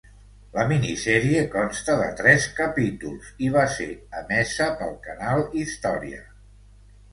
La minisèrie consta de tres capítols i va ser emesa pel canal Història.